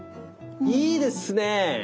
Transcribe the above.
おいいですね。